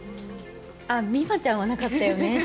美誠ちゃんはなかったよね。